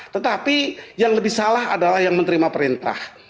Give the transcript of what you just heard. tetapi yang lebih salah adalah yang menerima perintah